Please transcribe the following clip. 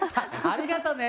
ありがとうね。